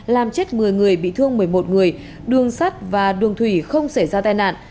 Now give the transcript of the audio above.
làm chết một mươi người bị thương một mươi một người đường sắt và đường thủy không xảy ra tai nạn